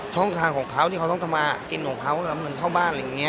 ช่องทางของเขาที่เขาต้องทำมากินของเขาแล้วเงินเข้าบ้านอะไรอย่างนี้